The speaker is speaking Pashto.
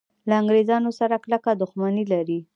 له انګریزانو سره کلکه دښمني لري.